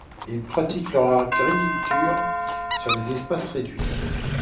Ils pratiquent leur agriculture sur des espaces réduits.